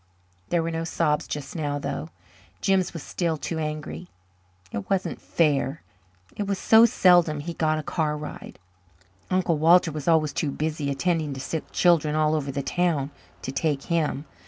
There were no sobs just now, though Jims was still too angry. It wasn't fair. It was so seldom he got a car ride. Uncle Walter was always too busy, attending to sick children all over the town, to take him.